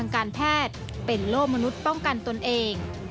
การแพทย์เป็นโลกมนุษย์ป้องกันตนเอง